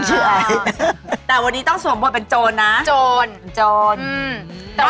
คือคุณตุ๋นจะเป็นโจรแห่งของเรา